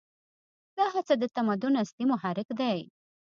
دا هڅه د تمدن اصلي محرک دی.